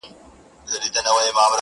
زه په تنهايي کي لاهم سور یمه,